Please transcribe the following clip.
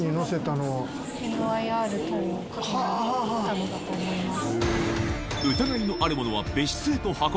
のだと思います。